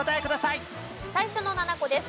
最初の７個です。